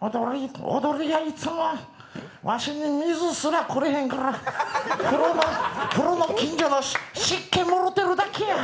おんどれ、いつもわしに水すらくれへんか、風呂の水の湿気もろてるだけや。